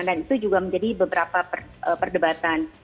dan itu juga menjadi beberapa perdebatan